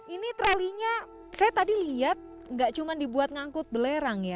ini trolinya saya tadi lihat enggak cuma dibuat ngangkut belerang